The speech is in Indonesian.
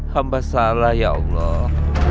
hamba salah ya allah